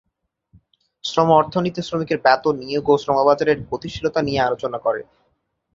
শ্রম অর্থনীতি শ্রমিকের বেতন, নিয়োগ ও শ্রম বাজারের গতিশীলতা নিয়ে আলোচনা করে।